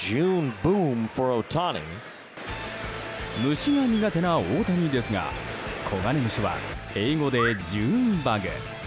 虫が苦手な大谷ですがコガネムシは英語でジューンバグ。